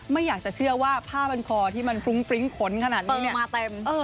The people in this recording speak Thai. ไม่อยากจะเชื่อว่าผ้าบรรคอที่มันฟรุ้งฟริ้งขนขนขนาดนี้เนี่ยเปิ้ลมาเต็มเออ